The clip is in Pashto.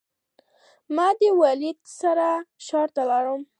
ما دی وليد او زه به نن دی بوځم.